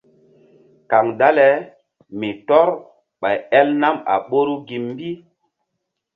Kaŋ dale mi tɔ́r ɓay el nam a ɓoru gi mbi.